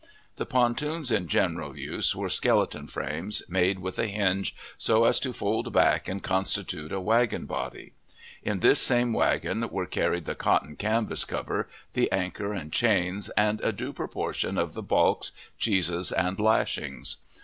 The pontoons in general use were skeleton frames, made with a hinge, so as to fold back and constitute a wagon body. In this same wagon were carried the cotton canvas cover, the anchor and chains, and a due proportion of the balks, cheeses, and lashings.